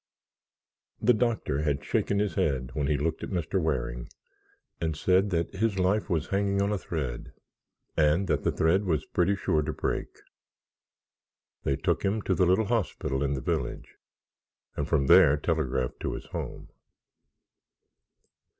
The doctor had shaken his head when he looked at Mr. Waring, and said that his life was hanging on a thread, and that the thread was pretty sure to break. They took him to the little hospital in the village and from there telegraphed to his home.